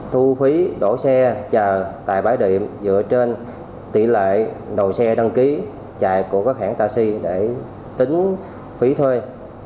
thu phí đậu xe chờ tại bãi điểm dựa trên tỷ lệ đậu xe đăng ký chạy của các hãng taxi để tính phí thuê